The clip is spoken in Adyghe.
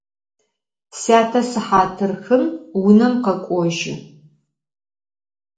Syate sıhat xım vunem khek'ojı.